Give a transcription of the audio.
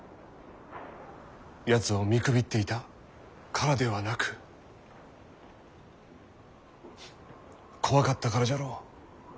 やつを見くびっていたからではなくフ怖かったからじゃろう。